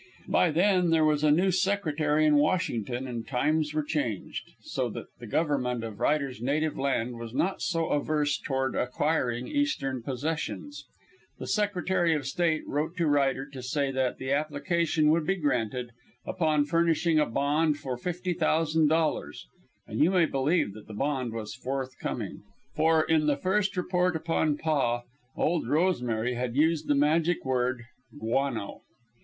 By then there was a new Secretary in Washington and times were changed, so that the Government of Ryder's native land was not so averse toward acquiring Eastern possessions. The Secretary of State wrote to Ryder to say that the application would be granted upon furnishing a bond for $50,000; and you may believe that the bond was forthcoming. For in the first report upon Paa, "Old Rosemary" had used the magic word "guano."